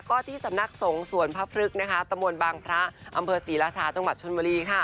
ก็ที่สำนักสงฆ์สวนพระพฤกษ์ตมวลบางพระอำเภอศรีราชาจังหวัดชนวรี